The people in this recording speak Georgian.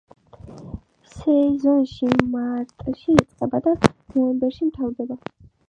სეზონი მარტში იწყება და ნოემბერში მთავრდება.